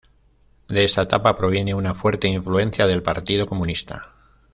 De esa etapa proviene una fuerte influencia del Partido Comunista.